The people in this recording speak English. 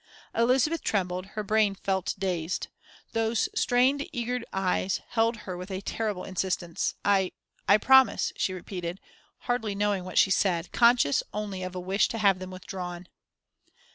Elizabeth trembled, her brain felt dazed. Those strained, eager eyes held her with a terrible insistence. "I I promise," she repeated, hardly knowing what she said, conscious only of a wish to have them withdrawn.